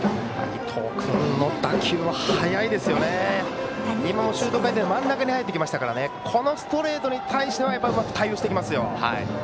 今もシュート回転真ん中に入ってきたのでこのストレートに対してはうまく対応してきますよ。